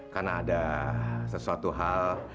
karena ada sesuatu hal